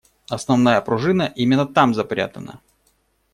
Основная пружина именно там запрятана.